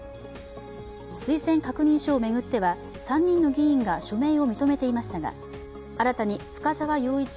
推薦確認書を巡っては３人の議員が署名を認めていましたが、新たに深澤陽一